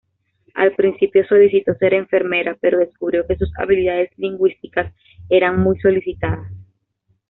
Al principio, solicitó ser enfermera, pero descubrió que sus habilidades lingüísticas eran muy solicitadas.